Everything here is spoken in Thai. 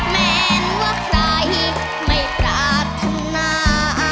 แม้ว่าใครไม่กลับทางหน้า